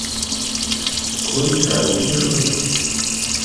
Kontraŭdiroj?